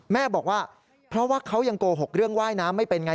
แม่บอกว่าเพราะว่าเขายังโกหกเรื่องว่ายน้ำไม่เป็นไง